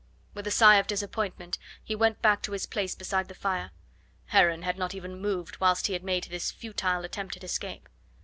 With a sigh of disappointment he went back to his place beside the fire. Heron had not even moved whilst he had made this futile attempt at escape.